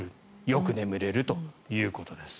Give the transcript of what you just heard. よく眠れるということです。